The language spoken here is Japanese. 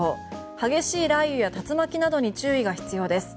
激しい雷雨や竜巻などに注意が必要です。